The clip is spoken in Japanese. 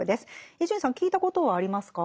伊集院さん聞いたことはありますか？